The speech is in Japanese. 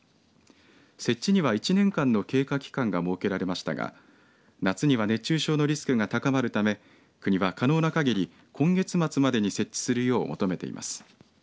設置には１年間の経過期間が設けられましたが夏には熱中症のリスクが高まるため国は可能な限り今月末までに設置するよう求めています。